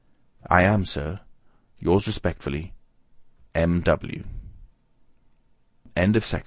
I am, sir, Yours respectfully, M.